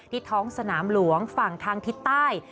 ท้องสนามหลวงฝั่งทางทิศใต้